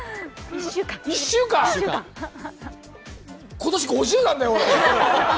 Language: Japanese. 今年５０なんだよ、俺。